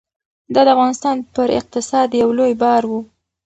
دا د افغانستان پر اقتصاد یو لوی بار و.